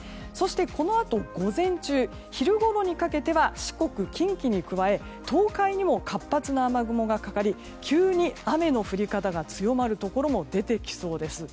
このあと午前中昼ごろにかけては四国や近畿に加え東海にも活発な雨雲がかかり急に雨の降り方が強まるところも出てきそうです。